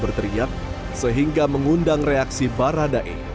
yang terlihat sehingga mengundang reaksi baradae